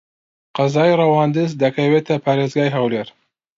قەزای ڕەواندز دەکەوێتە پارێزگای هەولێر.